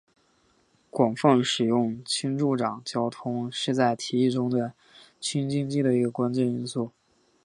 广泛使用氢助长交通是在提议中的氢经济的一个关键因素。